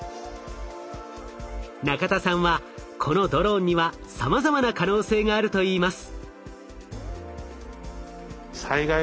中田さんはこのドローンにはさまざまな可能性があるといいます。